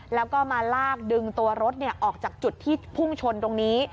แล้วก็มาลากดึงตัวรถออกจากจุดที่พุ่งชนตรงนี้